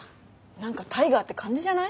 何かタイガーって感じじゃない？